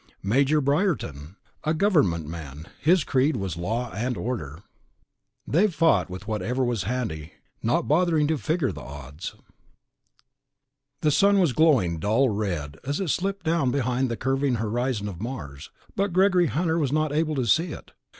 Major Briarton. A government man his creed was law and order. [Illustration: They fought with whatever was handy, not bothering to figure the odds.] 1. Trouble Times Two The sun was glowing dull red as it slipped down behind the curving horizon of Mars, but Gregory Hunter was not able to see it.